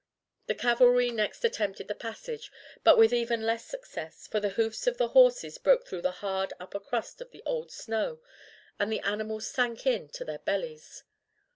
The cavalry next attempted the passage, but with even less success, for the hoofs of the horses broke through the hard upper crust of the old snow and the animals sank in to their bellies.